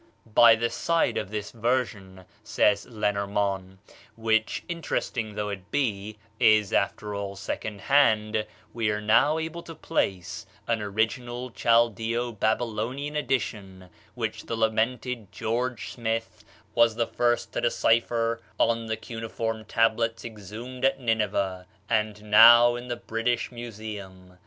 "By the side of this version," says Lenormant, "which, interesting though it be, is, after all, second hand, we are now able to place an original Chaldeo Babylonian edition, which the lamented George Smith was the first to decipher on the cuneiform tablets exhumed at Nineveh, and now in the British Museum.